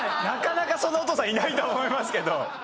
なかなかそんなお父さんいないと思いますけど。